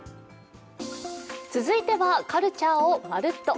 続いてはカルチャーをまるっと！